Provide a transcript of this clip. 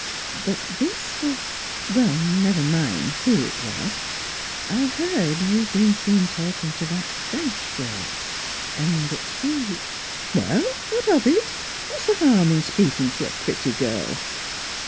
But this was Well, never mind who it was I heard you've been seen talk ing to that French girl, and that she "" Well, what of it? What's the harm in speak ing to a pretty girl?